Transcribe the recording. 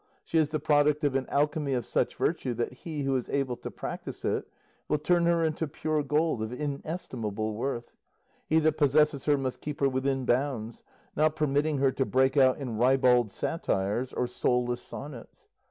She is the product of an Alchemy of such virtue that he who is able to practise it, will turn her into pure gold of inestimable worth. He that possesses her must keep her within bounds, not permitting her to break out in ribald satires or soulless sonnets.